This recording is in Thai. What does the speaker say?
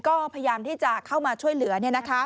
ก็พยายามที่จะเข้ามาช่วยเหลือ